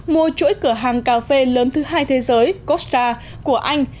mua chuỗi cửa hàng cà phê lớn thứ hai thế giới costa của anh